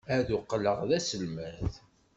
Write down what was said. Ad qqleɣ d taselmadt.